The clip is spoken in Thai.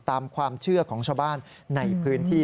ตามความเชื่อของชาวบ้านในพื้นที่